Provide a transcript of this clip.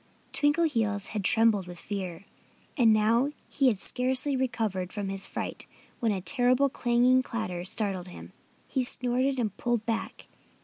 Twinkleheels had trembled with fear. And now he had scarcely recovered from his fright when a terrible clanging clatter startled him. He snorted and pulled back.